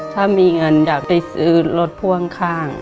ถ้ามีเงินอยากได้ซื้อรถพ่วงข้าง